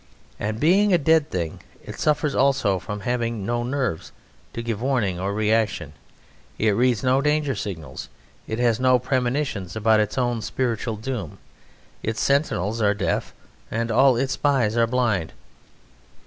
And being a dead thing, it suffers also from having no nerves to give warning or reaction; it reads no danger signals; it has no premonitions; about its own spiritual doom its sentinels are deaf and all its spies are blind.